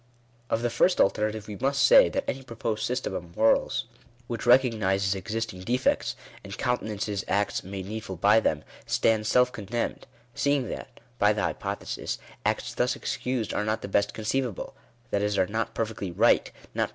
Of the first alternative we must say, that any proposed system of morals which recognises existing defects, and countenances acts made needful by them, stands self con demned ; seeing that, by the hypothesis, acts thus excused are not the best conceivable ; that is are not perfectly right — not Digitized by VjOOQIC DEFINITION OF MORALITY.